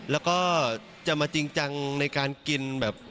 แล้วก็จะมาจริงจังในการกินแบบ